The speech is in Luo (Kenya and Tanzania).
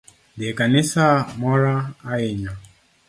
Dhi e kanisa mora ahinya